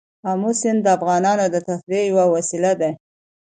آمو سیند د افغانانو د تفریح یوه وسیله ده.